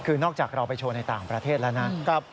คือนอกจากเราไปโชว์ในต่างประเทศแล้วนะ